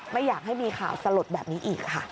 ไม่อยากให้มีข่าวสลดแบบนี้อีกค่ะ